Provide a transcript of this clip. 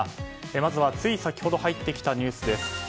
まずは、つい先ほど入ってきたニュースです。